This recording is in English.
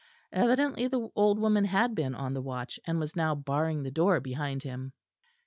Evidently the old woman had been on the watch, and was now barring the door behind him.